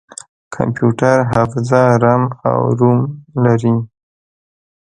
کمپیوټر حافظه رام او روم لري.